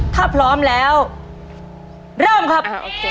ถ้าพร้อมแล้วเริ่มครับ